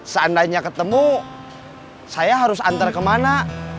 seandainya ketemu saya harus antar kemana